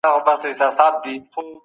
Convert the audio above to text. استازي کله نړیوالي شخړي پای ته رسوي؟